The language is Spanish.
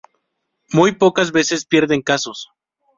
Muy pocas veces pierden casos.